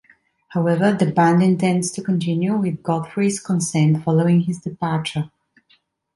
However, the band intends to continue, with Godfrey's consent, following his departure.